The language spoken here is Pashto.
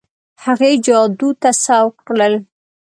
هغې جادې ته سوق کړل.